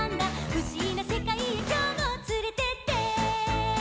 「ふしぎなせかいへきょうもつれてって！」